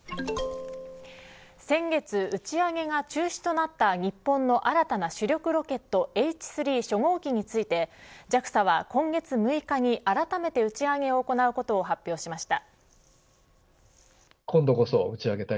先月、打ち上げが中止となった日本の新たな主力ロケットＨ３初号機についてＪＡＸＡは今月６日に、あらためて打ち上げを行うことを発表しました。